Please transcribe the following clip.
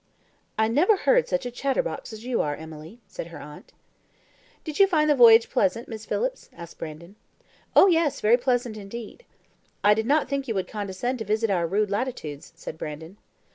"I never heard such a chatterbox as you are, Emily," said her aunt. "Did you find the voyage pleasant, Miss Phillips?" asked Brandon. "Oh, yes, very pleasant indeed." "I did not think you would condescend to visit our rude latitudes," said Brandon.